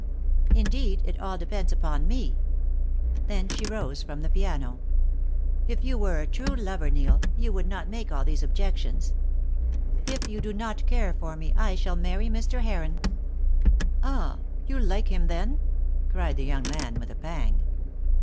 "Indeed, it al depends upon me." Then she rose from the piano. "If you were a true lover, Neil, you would not make all these objections. If you do not care for me I shall marry Mr. Heron." "Ah! you like him, then?" cried the young man with a pang.